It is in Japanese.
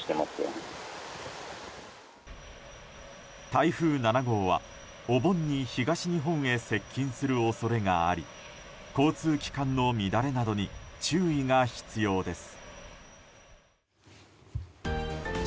台風７号はお盆に東日本へ接近する恐れがあり交通機関の乱れなどに注意が必要です。